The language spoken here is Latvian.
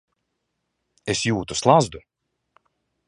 Es jūtu slazdu.